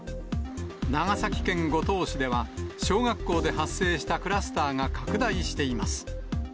長崎県五島市では、小学校で発生したクラスターが拡大しています。